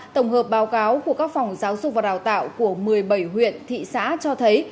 tổng hợp báo cáo của các phòng giáo dục và đào tạo của một mươi bảy huyện thị xã cho thấy